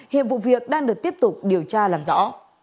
hiện vụ việc đang được tiếp tục điều tra làm rõ